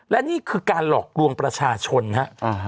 และนี่คือการหลอกลวงประชาชนฮะ